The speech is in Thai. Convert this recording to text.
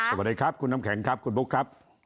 สวัสดีครับคุณน้ำแข็งครับคุณบุ๊คครับ